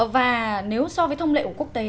và nếu so với thông lệ của quốc tế